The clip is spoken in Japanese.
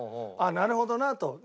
あっなるほどなと。